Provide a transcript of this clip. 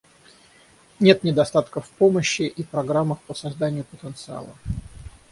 Нет недостатка в помощи и программах по созданию потенциала.